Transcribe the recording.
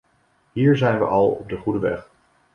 Hier zijn we al op de goede weg.